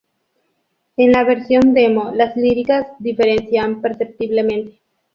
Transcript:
En la versión Demo las líricas diferencian perceptiblemente.